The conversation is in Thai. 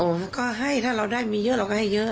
ก็ให้ถ้าเราได้มีเยอะเราก็ให้เยอะ